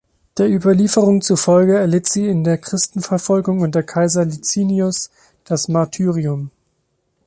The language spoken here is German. Der Überlieferung zufolge erlitt sie in der Christenverfolgung unter Kaiser Licinius das Martyrium.